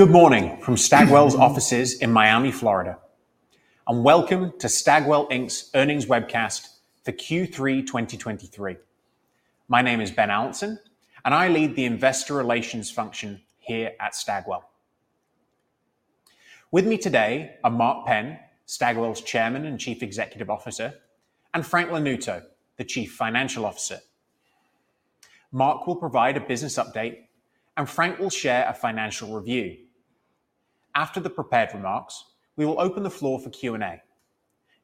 Good morning from Stagwell's offices in Miami, Florida, and welcome to Stagwell Inc's earnings webcast for Q3 2023. My name is Ben Allanson, and I lead the investor relations function here at Stagwell. With me today are Mark Penn, Stagwell's Chairman and Chief Executive Officer, and Frank Lanuto, the Chief Financial Officer. Mark will provide a business update, and Frank will share a financial review. After the prepared remarks, we will open the floor for Q&A.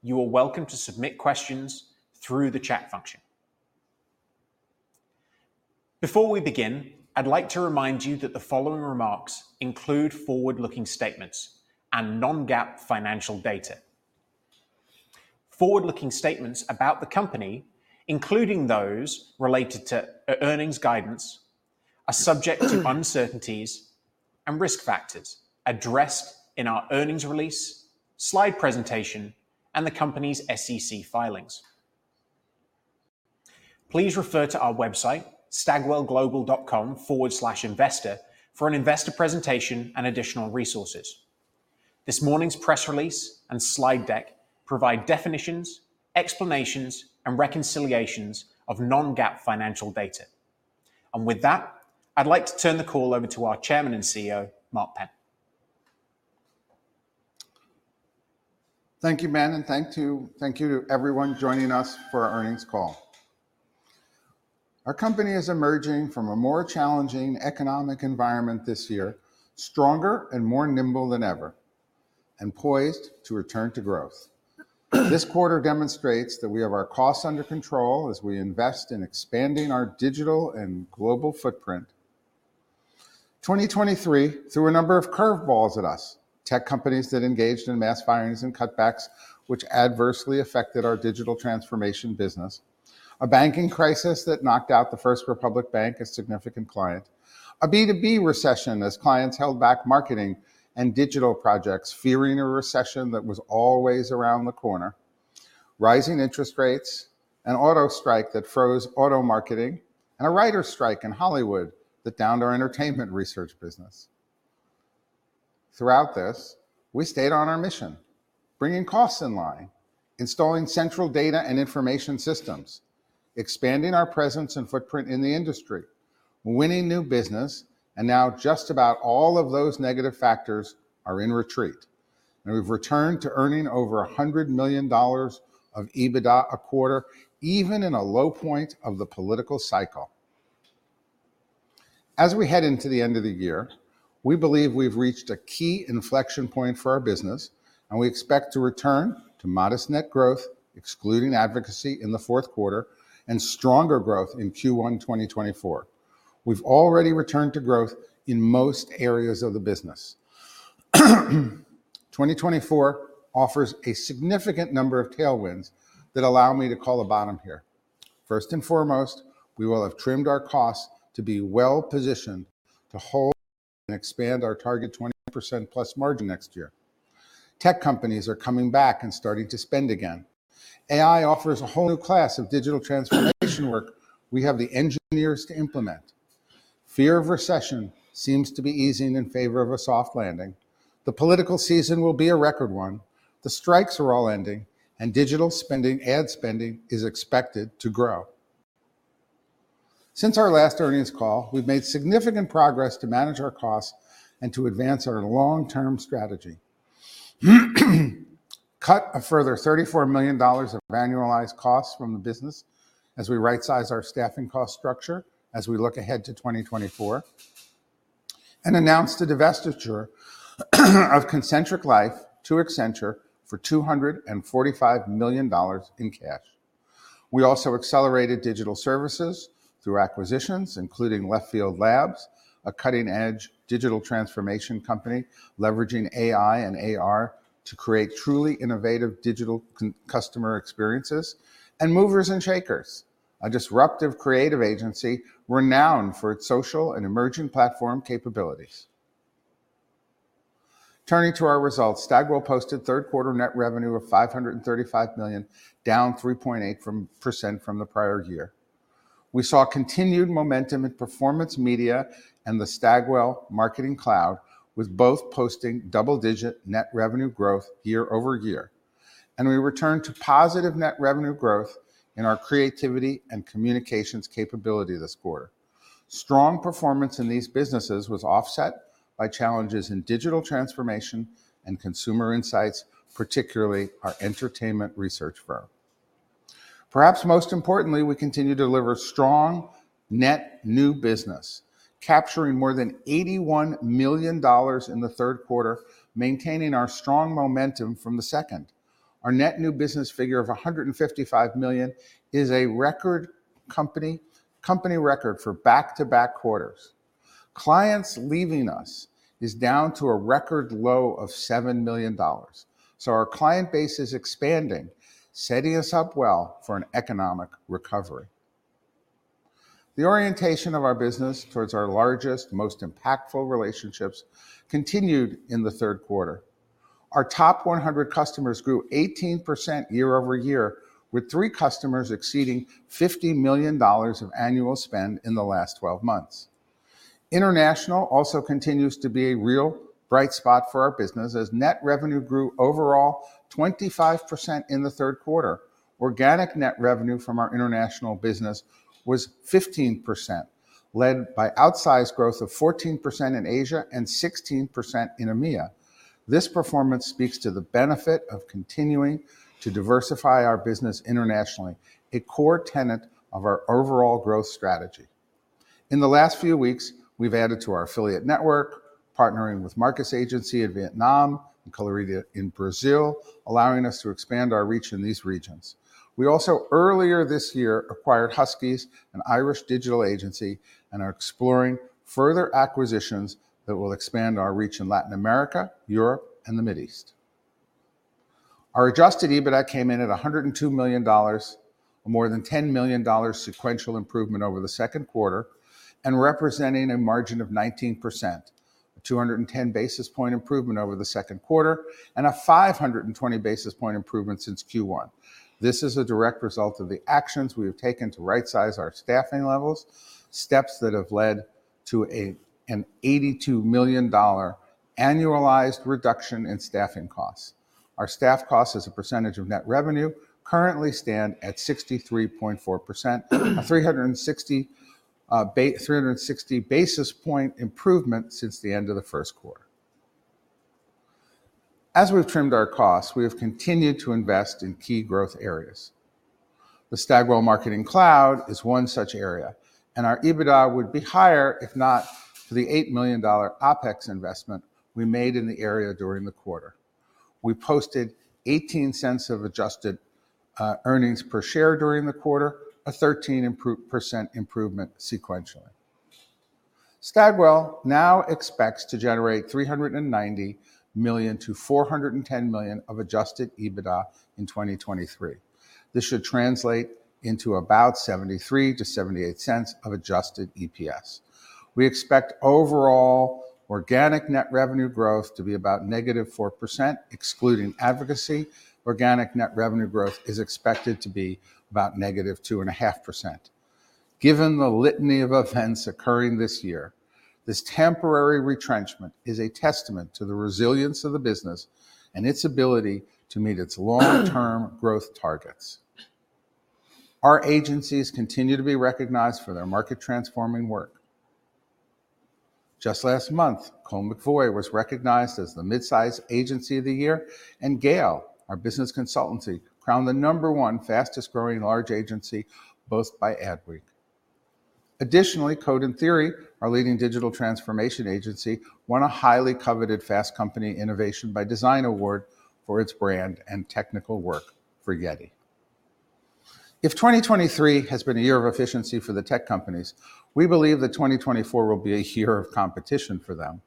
You are welcome to submit questions through the chat function. Before we begin, I'd like to remind you that the following remarks include forward-looking statements and non-GAAP financial data. Forward-looking statements about the company, including those related to earnings guidance, are subject to uncertainties and risk factors addressed in our earnings release, slide presentation, and the company's SEC filings. Please refer to our website, stagwellglobal.com/investor, for an investor presentation and additional resources. This morning's press release and slide deck provide definitions, explanations, and reconciliations of non-GAAP financial data. With that, I'd like to turn the call over to our Chairman and CEO, Mark Penn. Thank you, Ben, and thank you to everyone joining us for our earnings call. Our company is emerging from a more challenging economic environment this year, stronger and more nimble than ever and poised to return to growth. This quarter demonstrates that we have our costs under control as we invest in expanding our digital and global footprint. 2023 threw a number of curveballs at us. Tech companies that engaged in mass firings and cutbacks, which adversely affected our digital transformation business, a banking crisis that knocked out the First Republic Bank, a significant client, a B2B recession as clients held back marketing and digital projects, fearing a recession that was always around the corner, rising interest rates, an auto strike that froze auto marketing, and a writers' strike in Hollywood that downed our entertainment research business. Throughout this, we stayed on our mission, bringing costs in line, installing central data and information systems, expanding our presence and footprint in the industry, winning new business, and now just about all of those negative factors are in retreat, and we've returned to earning over $100 million of EBITDA a quarter, even in a low point of the political cycle. As we head into the end of the year, we believe we've reached a key inflection point for our business, and we expect to return to modest net growth, excluding advocacy in the fourth quarter, and stronger growth in Q1 2024. We've already returned to growth in most areas of the business. 2024 offers a significant number of tailwinds that allow me to call a bottom here. First and foremost, we will have trimmed our costs to be well-positioned to hold and expand our target 20%+ margin next year. Tech companies are coming back and starting to spend again. AI offers a whole new class of digital transformation work we have the engineers to implement. Fear of recession seems to be easing in favor of a soft landing. The political season will be a record one. The strikes are all ending, and digital spending, ad spending is expected to grow. Since our last earnings call, we've made significant progress to manage our costs and to advance our long-term strategy, cut a further $34 million of annualized costs from the business as we rightsize our staffing cost structure as we look ahead to 2024, and announced a divestiture of Concentric Life to Accenture for $245 million in cash. We also accelerated digital services through acquisitions, including Left Field Labs, a cutting-edge digital transformation company leveraging AI and AR to create truly innovative digital customer experiences, and Movers+Shakers, a disruptive creative agency renowned for its social and emerging platform capabilities. Turning to our results, Stagwell posted third quarter net revenue of $535 million, down 3.8% from the prior year. We saw continued momentum in performance media, and the Stagwell Marketing Cloud was both posting double-digit net revenue growth year-over-year, and we returned to positive net revenue growth in our creativity and communications capability this quarter. Strong performance in these businesses was offset by challenges in digital transformation and consumer insights, particularly our entertainment research firm. Perhaps most importantly, we continue to deliver strong net new business, capturing more than $81 million in the third quarter, maintaining our strong momentum from the second. Our net new business figure of $155 million is a record company record for back-to-back quarters. Clients leaving us is down to a record low of $7 million, so our client base is expanding, setting us up well for an economic recovery. The orientation of our business towards our largest, most impactful relationships continued in the third quarter. Our top 100 customers grew 18% year-over-year, with three customers exceeding $50 million of annual spend in the last 12 months. International also continues to be a real bright spot for our business, as net revenue grew overall 25% in the third quarter. Organic net revenue from our international business was 15%, led by outsized growth of 14% in Asia and 16% in EMEA. This performance speaks to the benefit of continuing to diversify our business internationally, a core tenet of our overall growth strategy. In the last few weeks, we've added to our affiliate network, partnering with MARC in Vietnam and Colirio in Brazil, allowing us to expand our reach in these regions. We also, earlier this year, acquired Huskies, an Irish digital agency, and are exploring further acquisitions that will expand our reach in Latin America, Europe, and the Middle East. Our adjusted EBITDA came in at $102 million, more than $10 million sequential improvement over the second quarter and representing a margin of 19%, 210 basis point improvement over the second quarter, and a 520 basis point improvement since Q1. This is a direct result of the actions we have taken to rightsize our staffing levels, steps that have led to an $82 million annualized reduction in staffing costs. Our staff costs as a percentage of net revenue currently stand at 63.4%, a 360 basis point improvement since the end of the first quarter. As we've trimmed our costs, we have continued to invest in key growth areas. The Stagwell Marketing Cloud is one such area, and our EBITDA would be higher if not for the $8 million OpEx investment we made in the area during the quarter. We posted 18 cents of adjusted earnings per share during the quarter, a 13% improvement sequentially. Stagwell now expects to generate $390 million-$410 million of adjusted EBITDA in 2023. This should translate into about 73-78 cents of adjusted EPS. We expect overall organic net revenue growth to be about -4%, excluding advocacy. Organic net revenue growth is expected to be about -2.5%. Given the litany of events occurring this year, this temporary retrenchment is a testament to the resilience of the business and its ability to meet its long-term growth targets. Our agencies continue to be recognized for their market-transforming work. Just last month, Colle McVoy was recognized as the Midsize Agency of the Year, and GALE, our business consultancy, crowned the number one fastest-growing large agency, both by Adweek. Additionally, Code and Theory, our leading digital transformation agency, won a highly coveted Fast Company Innovation by Design award for its brand and technical work for Getty. If 2023 has been a year of efficiency for the tech companies, we believe that 2024 will be a year of competition for them.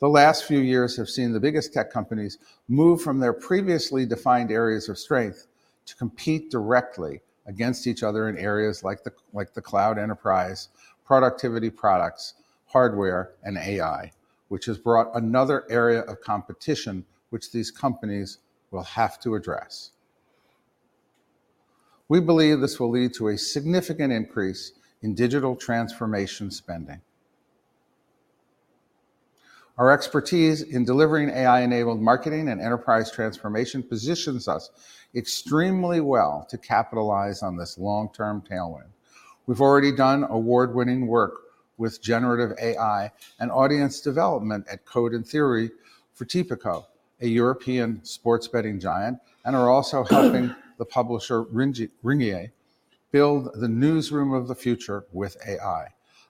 The last few years have seen the biggest tech companies move from their previously defined areas of strength to compete directly against each other in areas like the, like the cloud enterprise, productivity products, hardware, and AI, which has brought another area of competition which these companies will have to address. We believe this will lead to a significant increase in digital transformation spending. Our expertise in delivering AI-enabled marketing and enterprise transformation positions us extremely well to capitalize on this long-term tailwind. We've already done award-winning work with generative AI and audience development at Code and Theory for Tipico, a European sports betting giant, and are also helping the publisher, Ringier, build the newsroom of the future with AI.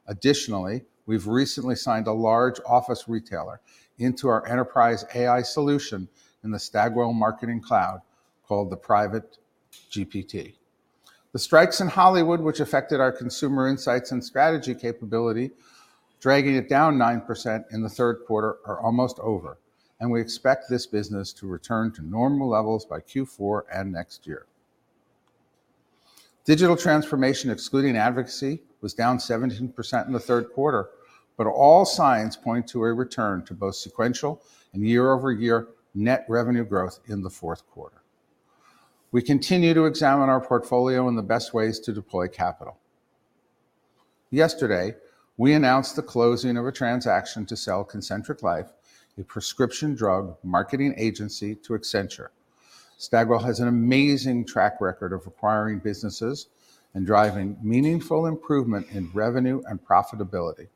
Additionally, we've recently signed a large office retailer into our enterprise AI solution in the Stagwell Marketing Cloud, called the PrivateGPT. The strikes in Hollywood, which affected our consumer insights and strategy capability, dragging it down 9% in the third quarter, are almost over, and we expect this business to return to normal levels by Q4 and next year. Digital transformation, excluding advocacy, was down 17% in the third quarter, but all signs point to a return to both sequential and year-over-year net revenue growth in the fourth quarter. We continue to examine our portfolio and the best ways to deploy capital. Yesterday, we announced the closing of a transaction to sell Concentric Life, a prescription drug marketing agency, to Accenture. Stagwell has an amazing track record of acquiring businesses and driving meaningful improvement in revenue and profitability.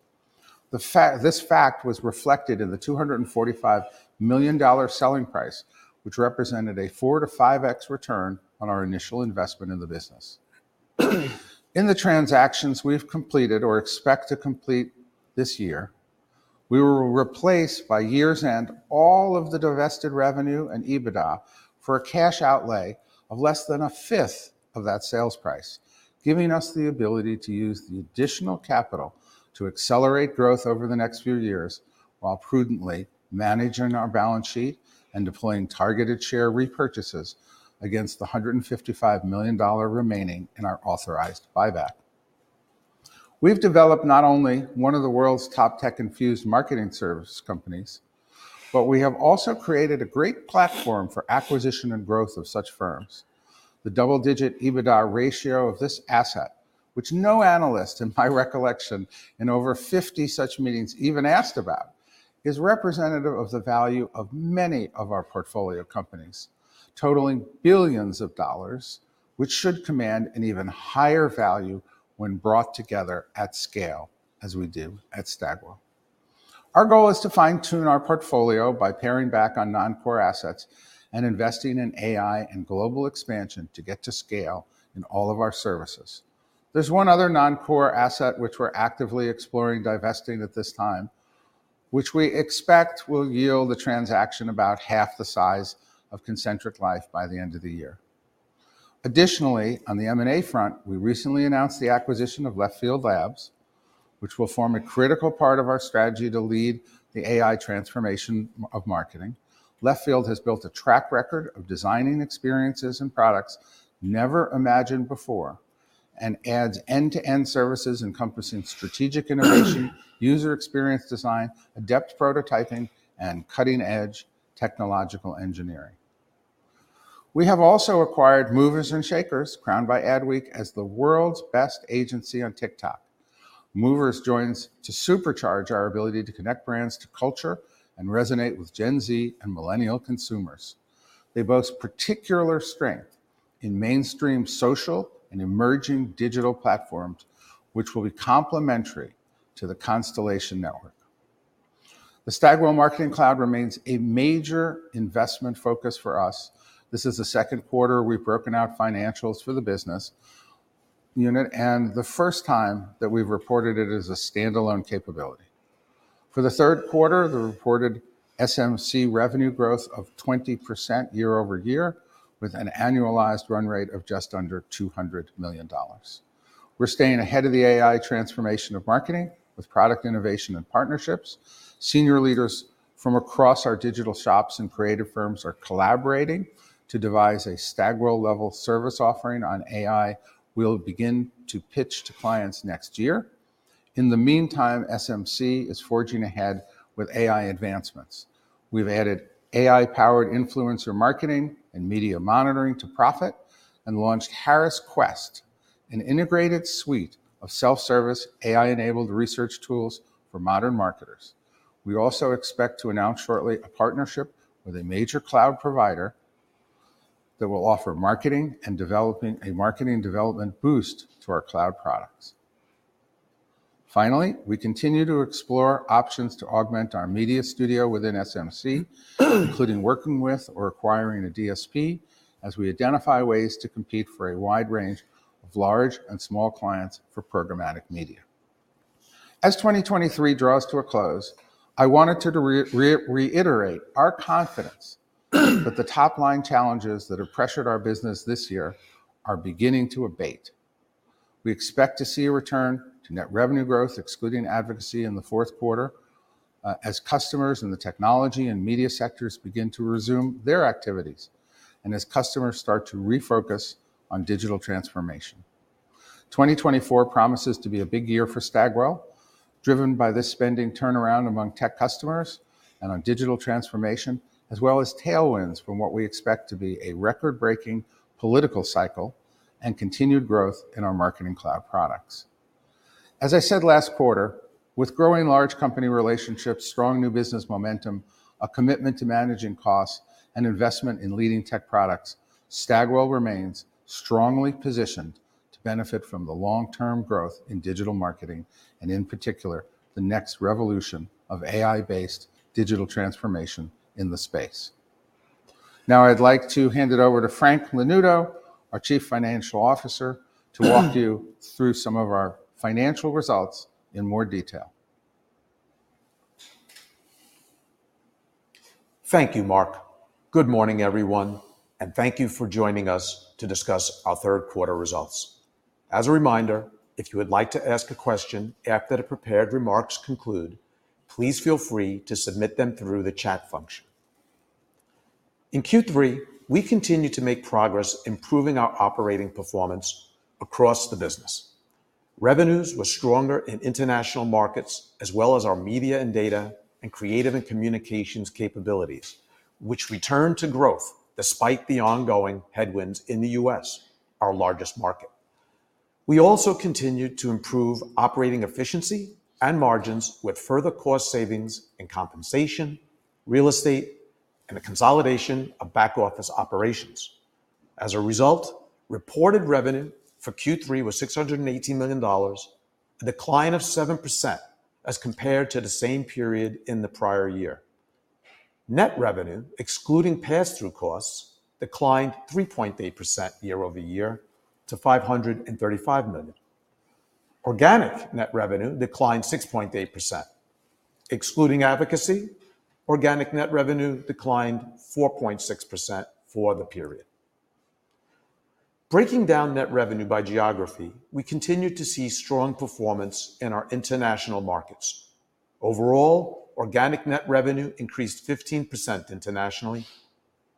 This fact was reflected in the $245 million selling price, which represented a 4-5x return on our initial investment in the business. In the transactions we've completed or expect to complete this year, we will replace by year's end all of the divested revenue and EBITDA for a cash outlay of less than a fifth of that sales price, giving us the ability to use the additional capital to accelerate growth over the next few years, while prudently managing our balance sheet and deploying targeted share repurchases against the $155 million remaining in our authorized buyback. We've developed not only one of the world's top tech-infused marketing service companies, but we have also created a great platform for acquisition and growth of such firms. The double-digit EBITDA ratio of this asset, which no analyst in my recollection in over 50 such meetings even asked about, is representative of the value of many of our portfolio companies, totaling $ billions, which should command an even higher value when brought together at scale, as we do at Stagwell. Our goal is to fine-tune our portfolio by paring back on non-core assets and investing in AI and global expansion to get to scale in all of our services. There's one other non-core asset which we're actively exploring divesting at this time, which we expect will yield a transaction about half the size of Concentric Life by the end of the year. Additionally, on the M&A front, we recently announced the acquisition of Left Field Labs, which will form a critical part of our strategy to lead the AI transformation of marketing. Left Field has built a track record of designing experiences and products never imagined before and adds end-to-end services encompassing strategic innovation, user experience design, adept prototyping, and cutting-edge technological engineering. We have also acquired Movers+Shakers, crowned by Adweek as the world's best agency on TikTok. Movers joins to supercharge our ability to connect brands to culture and resonate with Gen Z and millennial consumers. They boast particular strength in mainstream social and emerging digital platforms, which will be complementary to the Constellation network. The Stagwell Marketing Cloud remains a major investment focus for us. This is the second quarter we've broken out financials for the business unit, and the first time that we've reported it as a standalone capability. For the third quarter, the reported SMC revenue growth of 20% year-over-year, with an annualized run rate of just under $200 million. We're staying ahead of the AI transformation of marketing with product innovation and partnerships. Senior leaders from across our digital shops and creative firms are collaborating to devise a Stagwell-level service offering on AI we'll begin to pitch to clients next year. In the meantime, SMC is forging ahead with AI advancements. We've added AI-powered influencer marketing and media monitoring to PRophet, and launched Harris Quest, an integrated suite of self-service, AI-enabled research tools for modern marketers. We also expect to announce shortly a partnership with a major cloud provider that will offer a marketing development boost to our cloud products. Finally, we continue to explore options to augment our media studio within SMC, including working with or acquiring a DSP, as we identify ways to compete for a wide range of large and small clients for programmatic media. As 2023 draws to a close, I wanted to reiterate our confidence that the top-line challenges that have pressured our business this year are beginning to abate. We expect to see a return to net revenue growth, excluding advocacy, in the fourth quarter, as customers in the technology and media sectors begin to resume their activities and as customers start to refocus on digital transformation. 2024 promises to be a big year for Stagwell, driven by this spending turnaround among tech customers and on digital transformation, as well as tailwinds from what we expect to be a record-breaking political cycle and continued growth in our marketing cloud products. As I said last quarter, with growing large company relationships, strong new business momentum, a commitment to managing costs, and investment in leading tech products, Stagwell remains strongly positioned to benefit from the long-term growth in digital marketing and, in particular, the next revolution of AI-based digital transformation in the space. Now, I'd like to hand it over to Frank Lanuto, our Chief Financial Officer, to walk you through some of our financial results in more detail. Thank you, Mark. Good morning, everyone, and thank you for joining us to discuss our third quarter results. As a reminder, if you would like to ask a question after the prepared remarks conclude, please feel free to submit them through the chat function. In Q3, we continued to make progress improving our operating performance across the business. Revenues were stronger in international markets, as well as our media and data and creative and communications capabilities, which returned to growth despite the ongoing headwinds in the U.S., our largest market. We also continued to improve operating efficiency and margins with further cost savings and compensation, real estate, and a consolidation of back-office operations. As a result, reported revenue for Q3 was $618 million, a decline of 7% as compared to the same period in the prior year. Net revenue, excluding passthrough costs, declined 3.8% year-over-year to $535 million. Organic net revenue declined 6.8%. Excluding advocacy, organic net revenue declined 4.6% for the period. Breaking down net revenue by geography, we continued to see strong performance in our international markets.... Overall, organic net revenue increased 15% internationally,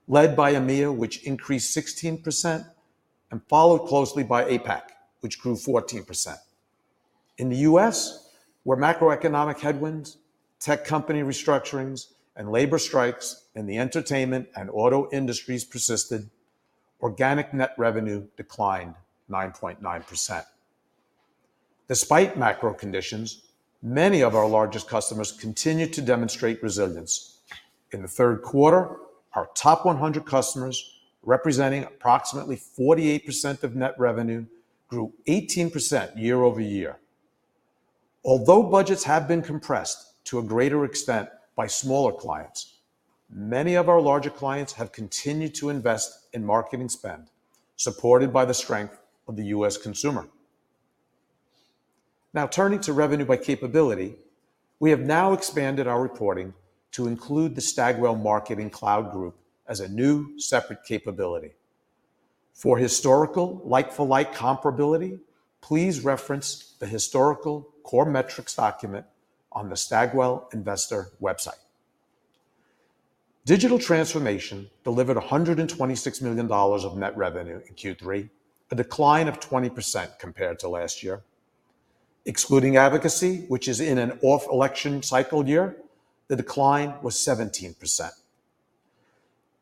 led by EMEA, which increased 16%, and followed closely by APAC, which grew 14%. In the U.S., where macroeconomic headwinds, tech company restructurings, and labor strikes in the entertainment and auto industries persisted, organic net revenue declined 9.9%. Despite macro conditions, many of our largest customers continued to demonstrate resilience. In the third quarter, our top 100 customers, representing approximately 48% of net revenue, grew 18% year-over-year. Although budgets have been compressed to a greater extent by smaller clients, many of our larger clients have continued to invest in marketing spend, supported by the strength of the U.S. consumer. Now, turning to revenue by capability, we have now expanded our reporting to include the Stagwell Marketing Cloud Group as a new, separate capability. For historical like-for-like comparability, please reference the historical core metrics document on the Stagwell investor website. Digital Transformation delivered $126 million of net revenue in Q3, a decline of 20% compared to last year. Excluding advocacy, which is in an off-election cycle year, the decline was 17%.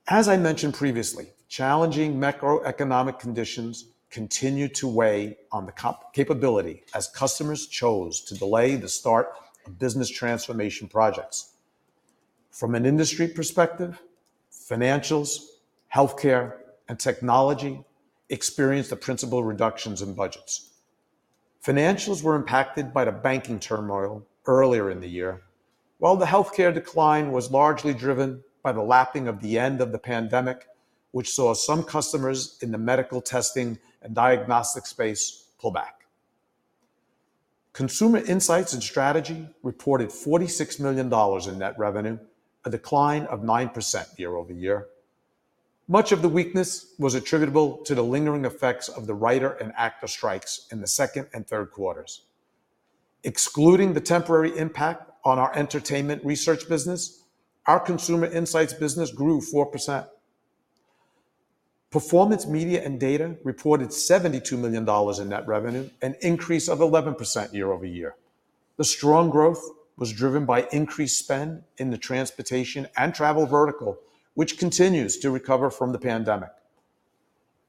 As I mentioned previously, challenging macroeconomic conditions continued to weigh on the capability as customers chose to delay the start of business transformation projects. From an industry perspective, financials, healthcare, and technology experienced the principal reductions in budgets. Financials were impacted by the banking turmoil earlier in the year, while the healthcare decline was largely driven by the lapping of the end of the pandemic, which saw some customers in the medical testing and diagnostic space pull back. Consumer Insights and Strategy reported $46 million in net revenue, a decline of 9% year-over-year. Much of the weakness was attributable to the lingering effects of the writer and actor strikes in the second and third quarters. Excluding the temporary impact on our entertainment research business, our consumer insights business grew 4%. Performance Media and Data reported $72 million in net revenue, an increase of 11% year-over-year. The strong growth was driven by increased spend in the transportation and travel vertical, which continues to recover from the pandemic.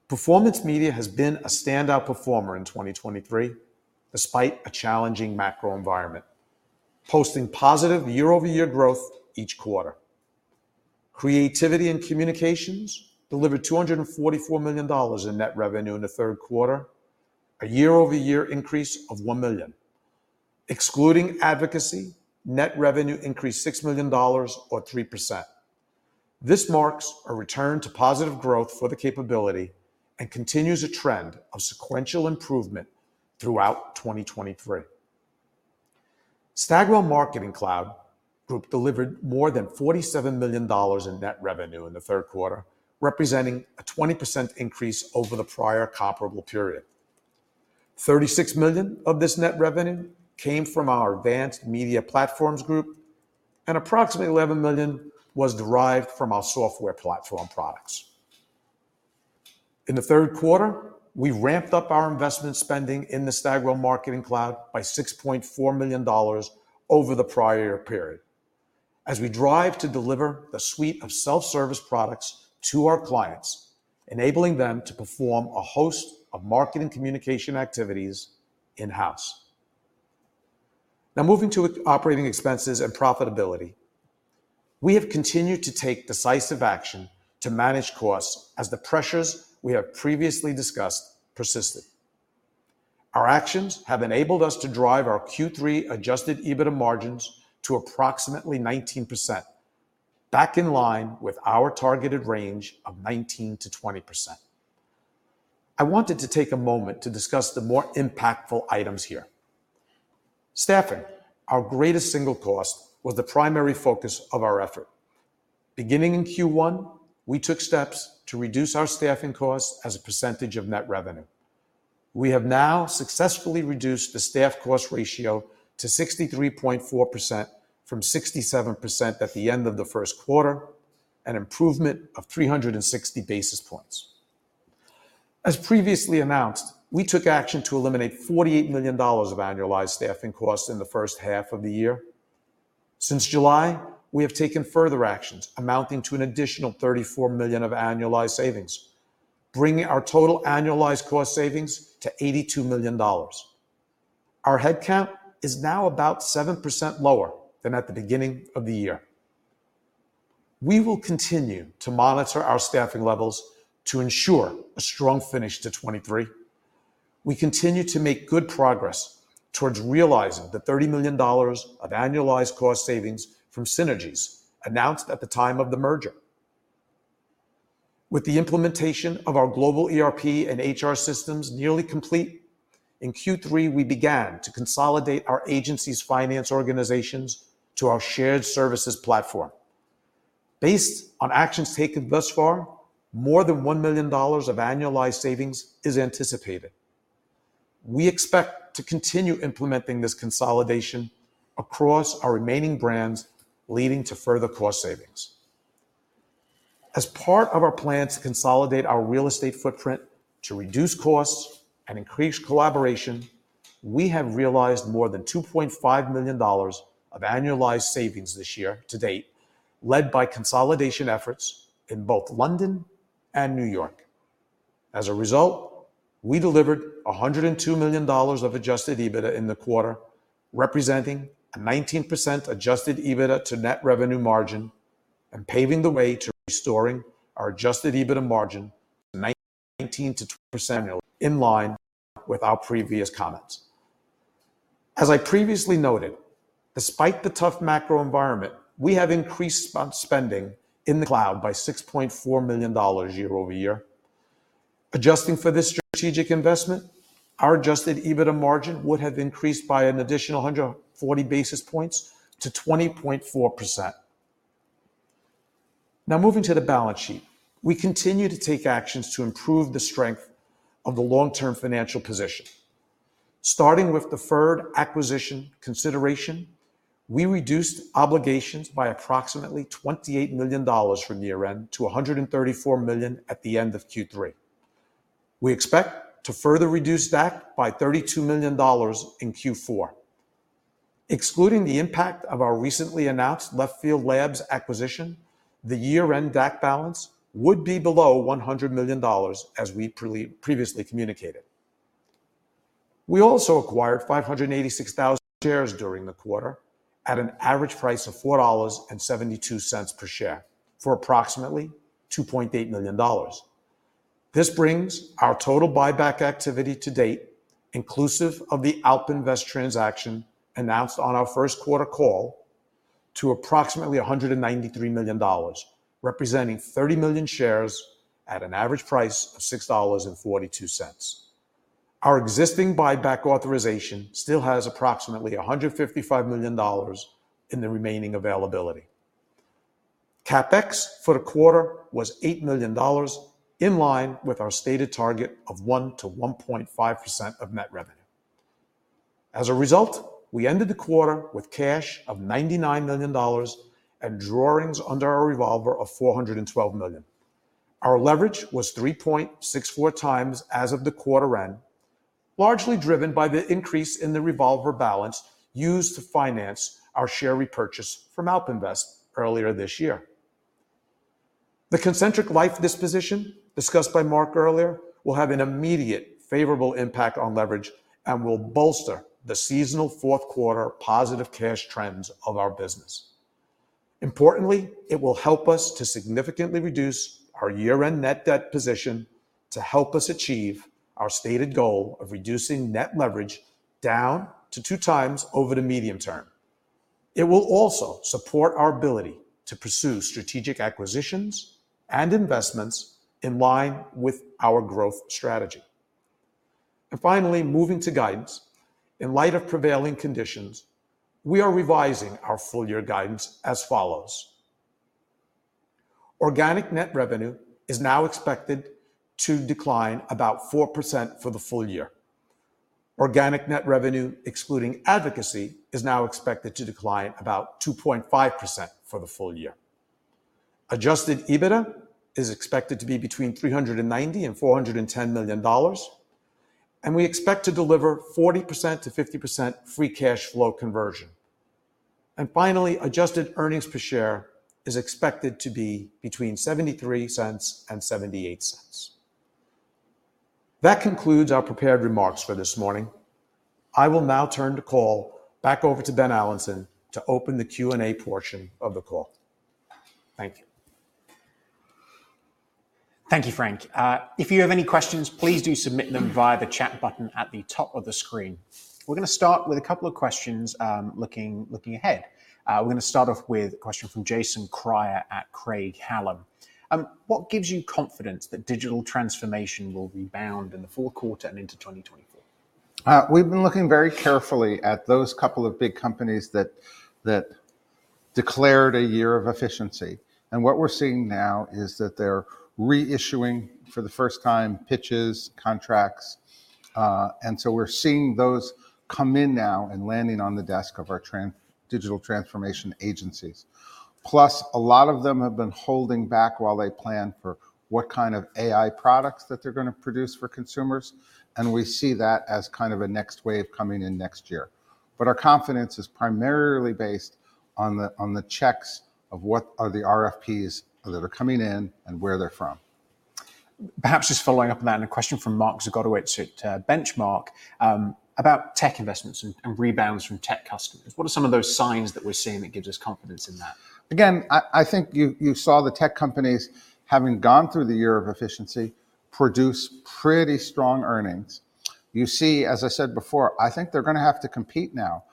Performance media has been a standout performer in 2023, despite a challenging macro environment, posting positive year-over-year growth each quarter. Creativity and Communications delivered $244 million in net revenue in the third quarter, a year-over-year increase of $1 million. Excluding advocacy, net revenue increased $6 million or 3%. This marks a return to positive growth for the capability and continues a trend of sequential improvement throughout 2023. Stagwell Marketing Cloud Group delivered more than $47 million in net revenue in the third quarter, representing a 20% increase over the prior comparable period. 36 million of this net revenue came from our Advanced Media Platforms Group, and approximately eleven million was derived from our software platform products. In the third quarter, we ramped up our investment spending in the Stagwell Marketing Cloud by $6.4 million over the prior period as we drive to deliver a suite of self-service products to our clients, enabling them to perform a host of marketing communication activities in-house. Now, moving to operating expenses and profitability. We have continued to take decisive action to manage costs as the pressures we have previously discussed persisted. Our actions have enabled us to drive our Q3 Adjusted EBITDA margins to approximately 19%, back in line with our targeted range of 19%-20%. I wanted to take a moment to discuss the more impactful items here. Staffing, our greatest single cost, was the primary focus of our effort. Beginning in Q1, we took steps to reduce our staffing costs as a percentage of net revenue. We have now successfully reduced the staff cost ratio to 63.4% from 67% at the end of the first quarter, an improvement of 360 basis points. As previously announced, we took action to eliminate $48 million of annualized staffing costs in the first half of the year. Since July, we have taken further actions amounting to an additional $34 million of annualized savings, bringing our total annualized cost savings to $82 million. Our headcount is now about 7% lower than at the beginning of the year. We will continue to monitor our staffing levels to ensure a strong finish to 2023. We continue to make good progress towards realizing the $30 million of annualized cost savings from synergies announced at the time of the merger. With the implementation of our global ERP and HR systems nearly complete, in Q3, we began to consolidate our agency's finance organizations to our shared services platform. Based on actions taken thus far, more than $1 million of annualized savings is anticipated. We expect to continue implementing this consolidation across our remaining brands, leading to further cost savings. As part of our plan to consolidate our real estate footprint to reduce costs and increase collaboration, we have realized more than $2.5 million of annualized savings this year to date, led by consolidation efforts in both London and New York. As a result, we delivered $102 million of adjusted EBITDA in the quarter, representing a 19% adjusted EBITDA to net revenue margin and paving the way to restoring our adjusted EBITDA margin to 19%-20% annual, in line with our previous comments. As I previously noted, despite the tough macro environment, we have increased spending in the cloud by $6.4 million year-over-year. Adjusting for this strategic investment, our adjusted EBITDA margin would have increased by an additional 140 basis points to 20.4%. Now, moving to the balance sheet. We continue to take actions to improve the strength of the long-term financial position. Starting with deferred acquisition consideration, we reduced obligations by approximately $28 million from year-end to $134 million at the end of Q3. We expect to further reduce that by $32 million in Q4. Excluding the impact of our recently announced Left Field Labs acquisition, the year-end DAC balance would be below $100 million, as we previously communicated. We also acquired 586,000 shares during the quarter at an average price of $4.72 per share, for approximately $2.8 million. This brings our total buyback activity to date, inclusive of the AlpInvest transaction announced on our first quarter call, to approximately $193 million, representing 30 million shares at an average price of $6.42. Our existing buyback authorization still has approximately $155 million in the remaining availability. CapEx for the quarter was $8 million, in line with our stated target of 1%-1.5% of net revenue. As a result, we ended the quarter with cash of $99 million and drawings under our revolver of $412 million. Our leverage was 3.64 times as of the quarter end, largely driven by the increase in the revolver balance used to finance our share repurchase from AlpInvest earlier this year. The Concentric Life disposition, discussed by Mark earlier, will have an immediate favorable impact on leverage and will bolster the seasonal fourth quarter positive cash trends of our business. Importantly, it will help us to significantly reduce our year-end net debt position to help us achieve our stated goal of reducing net leverage down to 2 times over the medium term. It will also support our ability to pursue strategic acquisitions and investments in line with our growth strategy. Finally, moving to guidance. In light of prevailing conditions, we are revising our full year guidance as follows: Organic net revenue is now expected to decline about 4% for the full year. Organic net revenue, excluding advocacy, is now expected to decline about 2.5% for the full year. Adjusted EBITDA is expected to be between $390 million and $410 million, and we expect to deliver 40%-50% free cash flow conversion. Finally, adjusted earnings per share is expected to be between $0.73 and $0.78. That concludes our prepared remarks for this morning. I will now turn the call back over to Ben Allanson to open the Q&A portion of the call. Thank you. Thank you, Frank. If you have any questions, please do submit them via the chat button at the top of the screen. We're gonna start with a couple of questions, looking ahead. We're gonna start off with a question from Jason Kreyer at Craig-Hallum. "What gives you confidence that digital transformation will rebound in the fourth quarter and into 2024? We've been looking very carefully at those couple of big companies that declared a year of efficiency, and what we're seeing now is that they're reissuing, for the first time, pitches, contracts. And so we're seeing those come in now and landing on the desk of our digital transformation agencies. Plus, a lot of them have been holding back while they plan for what kind of AI products that they're gonna produce for consumers, and we see that as kind of a next wave coming in next year. But our confidence is primarily based on the checks of what are the RFPs that are coming in and where they're from. Perhaps just following up on that, and a question from Mark Zgutowicz at Benchmark, about tech investments and rebounds from tech customers. What are some of those signs that we're seeing that gives us confidence in that? Again, I think you saw the tech companies, having gone through the year of efficiency, produce pretty strong earnings. You see, as I said before, I think they're gonna have to compete now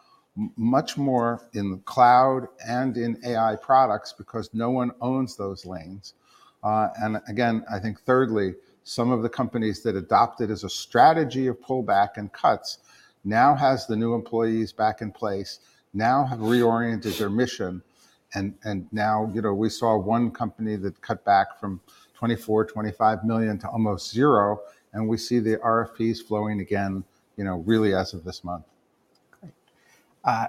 much more in the cloud and in AI products because no one owns those lanes. And again, I think thirdly, some of the companies that adopted as a strategy of pullback and cuts now has the new employees back in place, now have reoriented their mission-... And now, you know, we saw one company that cut back from $24-$25 million to almost zero, and we see the RFPs flowing again, you know, really as of this month. Great.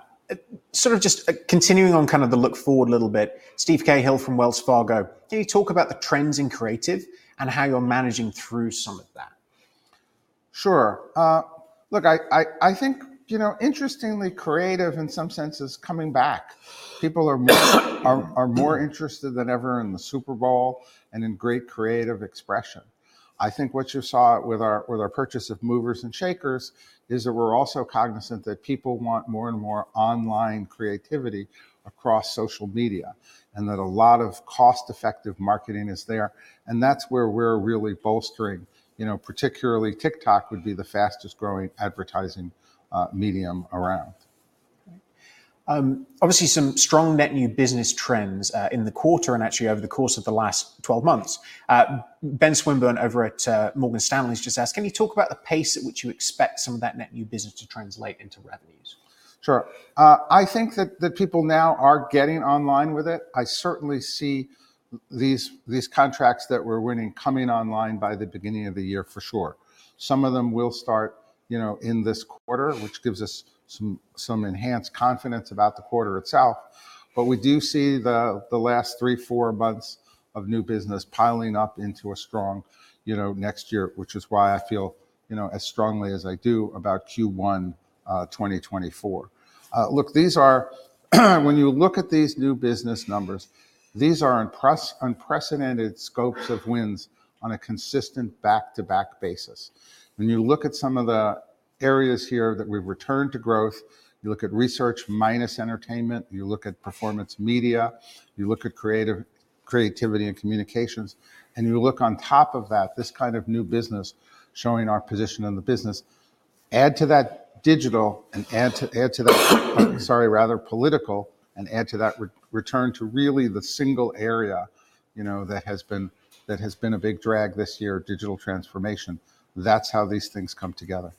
Sort of just, continuing on kind of the look forward a little bit, Steve Cahall from Wells Fargo, "Can you talk about the trends in creative and how you're managing through some of that? Sure. Look, I think, you know, interestingly, creative in some sense is coming back. People are more interested than ever in the Super Bowl and in great creative expression. I think what you saw with our purchase of Movers and Shakers is that we're also cognizant that people want more and more online creativity across social media, and that a lot of cost-effective marketing is there, and that's where we're really bolstering. You know, particularly TikTok would be the fastest growing advertising medium around. Obviously, some strong net new business trends in the quarter, and actually over the course of the last 12 months. Ben Swinburne over at Morgan Stanley has just asked, "Can you talk about the pace at which you expect some of that net new business to translate into revenues? Sure. I think that people now are getting online with it. I certainly see these contracts that we're winning coming online by the beginning of the year for sure. Some of them will start, you know, in this quarter, which gives us some enhanced confidence about the quarter itself. But we do see the last three, four months of new business piling up into a strong, you know, next year, which is why I feel, you know, as strongly as I do about Q1 2024. Look, these are, when you look at these new business numbers, these are unprecedented scopes of wins on a consistent back-to-back basis. When you look at some of the areas here that we've returned to growth, you look at research minus entertainment, you look at performance media, you look at creativity and communications, and you look on top of that, this kind of new business showing our position in the business. Add to that digital and add to that, sorry, rather political, and add to that return to really the single area, you know, that has been a big drag this year, digital transformation. That's how these things come together.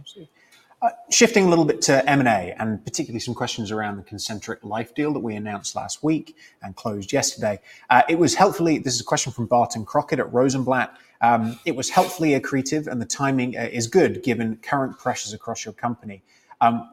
Absolutely. Shifting a little bit to M&A, and particularly some questions around the Concentric Life deal that we announced last week and closed yesterday. It was helpfully... This is a question from Barton Crockett at Rosenblatt. "It was helpfully accretive, and the timing is good, given current pressures across your company.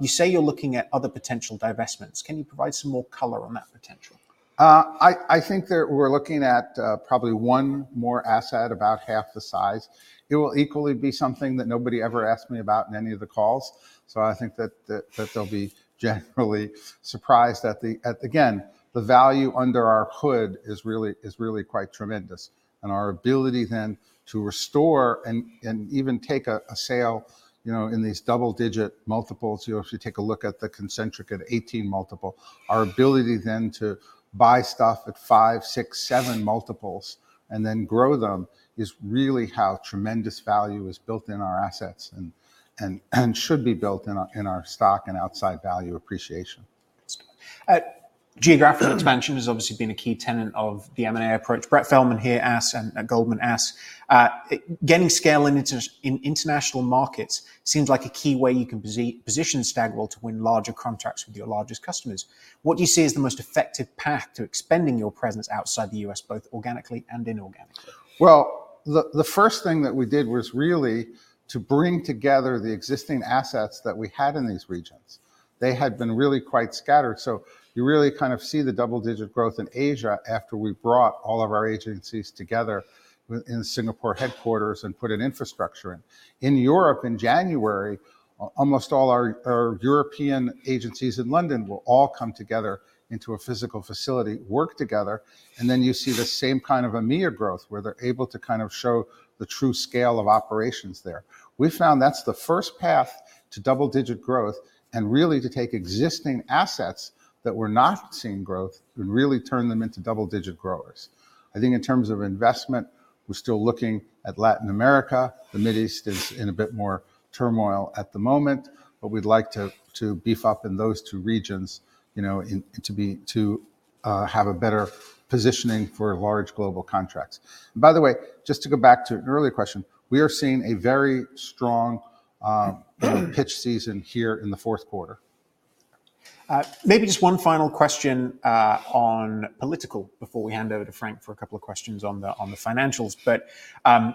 You say you're looking at other potential divestments. Can you provide some more color on that potential? I think that we're looking at probably one more asset, about half the size. It will equally be something that nobody ever asked me about in any of the calls, so I think that they'll be generally surprised at the... At again, the value under our hood is really quite tremendous, and our ability then to restore and even take a sale, you know, in these double-digit multiples. You obviously take a look at the Concentric at 18x multiple. Our ability then to buy stuff at 5x, 6x, 7x multiples and then grow them is really how tremendous value is built in our assets and should be built in our stock and outside value appreciation. Geographical expansion has obviously been a key tenet of the M&A approach. Brett Feldman, here at Goldman, asks, "Getting scale in international markets seems like a key way you can position Stagwell to win larger contracts with your largest customers. What do you see as the most effective path to expanding your presence outside the U.S., both organically and inorganically? Well, the first thing that we did was really to bring together the existing assets that we had in these regions. They had been really quite scattered, so you really kind of see the double-digit growth in Asia after we brought all of our agencies together in Singapore headquarters and put an infrastructure in. In Europe, in January, almost all our European agencies in London will all come together into a physical facility, work together, and then you see the same kind of EMEA growth, where they're able to kind of show the true scale of operations there. We found that's the first path to double-digit growth and really to take existing assets that were not seeing growth and really turn them into double-digit growers. I think in terms of investment, we're still looking at Latin America. The Middle East is in a bit more turmoil at the moment, but we'd like to beef up in those two regions, you know, and to have a better positioning for large global contracts. By the way, just to go back to an earlier question, we are seeing a very strong pitch season here in the fourth quarter. Maybe just one final question on political before we hand over to Frank for a couple of questions on the financials.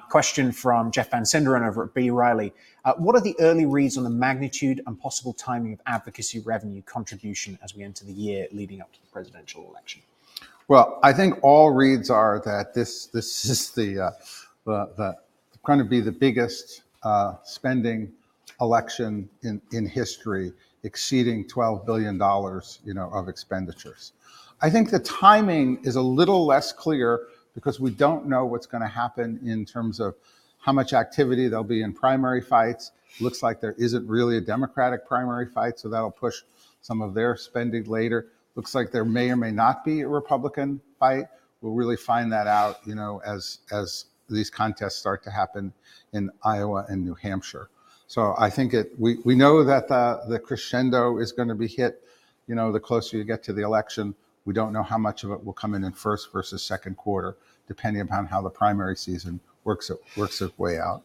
Question from Jeff Van Sinderen over at B. Riley: "What are the early reads on the magnitude and possible timing of advocacy revenue contribution as we enter the year leading up to the presidential election? Well, I think all reads are that this is gonna be the biggest spending election in history, exceeding $12 billion, you know, of expenditures. I think the timing is a little less clear because we don't know what's gonna happen in terms of how much activity there'll be in primary fights. Looks like there isn't really a Democratic primary fight, so that'll push some of their spending later. Looks like there may or may not be a Republican fight. We'll really find that out, you know, as these contests start to happen in Iowa and New Hampshire. So I think it... We know that the crescendo is gonna be hit, you know, the closer you get to the election. We don't know how much of it will come in in first versus second quarter, depending upon how the primary season works its way out.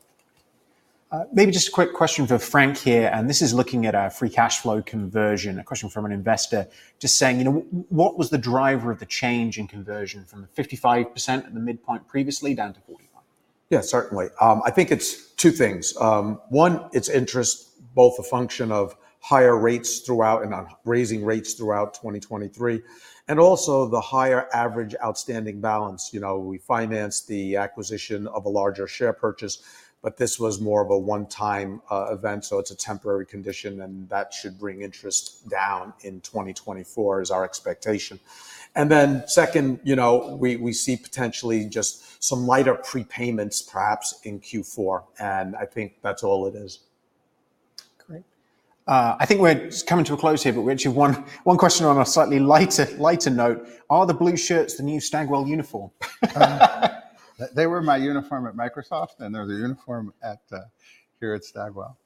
Maybe just a quick question for Frank here, and this is looking at our free cash flow conversion, a question from an investor just saying, you know, "What was the driver of the change in conversion from the 55% at the midpoint previously down to 41%? Yeah, certainly. I think it's two things. One, it's interest, both a function of higher rates throughout and on raising rates throughout 2023, and also the higher average outstanding balance. You know, we financed the acquisition of a larger share purchase, but this was more of a one-time event, so it's a temporary condition, and that should bring interest down in 2024, is our expectation. And then second, you know, we see potentially just some lighter prepayments, perhaps in Q4, and I think that's all it is. Great. I think we're coming to a close here, but we actually have one question on a slightly lighter note: Are the blue shirts the new Stagwell uniform? They were my uniform at Microsoft, and they're the uniform at here at Stagwell.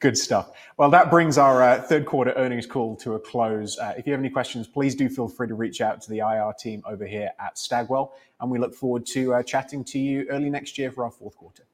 Good stuff. Well, that brings our third quarter earnings call to a close. If you have any questions, please do feel free to reach out to the IR team over here at Stagwell, and we look forward to chatting to you early next year for our fourth quarter.